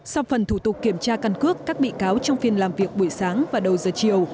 sau phần thủ tục kiểm tra căn cước các bị cáo trong phiên làm việc buổi sáng và đầu giờ chiều